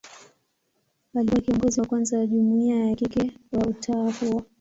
Alikuwa kiongozi wa kwanza wa jumuia ya kike wa utawa huo.